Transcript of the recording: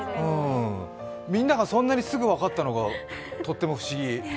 みんながそんなにすぐ分かったのがとっても不思議？